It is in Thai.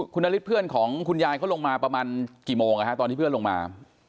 คุณนฤทธิเพื่อนของคุณยายเขาลงมาประมาณกี่โมงตอนที่เพื่อนลงมา